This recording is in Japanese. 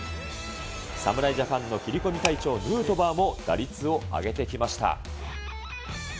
侍ジャパンの切り込み隊長、ヌートバーも打率を上げてきました。